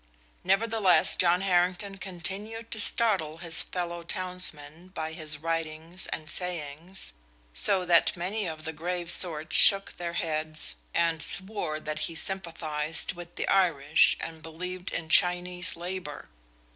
Nevertheless, John Harrington continued to startle his fellow townsmen by his writings and sayings, so that many of the grave sort shook their heads and swore that he sympathized with the Irish and believed in Chinese labor.